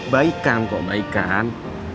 baikan kok baikan